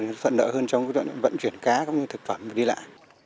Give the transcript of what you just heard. phận đỡ hơn trong vận chuyển cá các thực phẩm đi lại